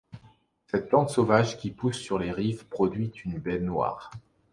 Cette plante sauvage qui pousse sur les rives, produit une baie noire.